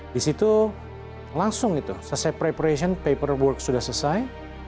di situ langsung itu selesai preparation paperwork sudah selesai